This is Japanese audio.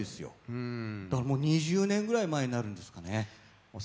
もう２０年ぐらい前になるんですね。